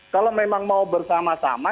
kalau memang mau bersama sama